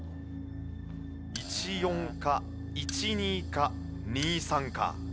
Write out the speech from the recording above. １・４か１・２か２・３か。